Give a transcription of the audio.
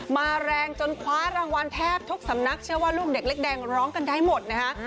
แรงจนคว้ารางวัลแทบทุกสำนักเชื่อว่าลูกเด็กเล็กแดงร้องกันได้หมดนะคะ